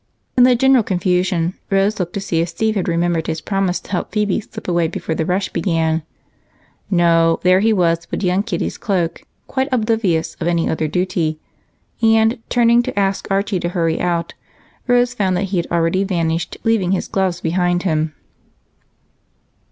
In the general confusion Rose looked to see if Steve had remembered his promise to help Phebe slip away before the rush began. No, there he was putting on Kitty's cloak, quite oblivious to any other duty. Turning to ask Archie to hurry out, Rose found that he had already vanished, leaving his gloves behind him.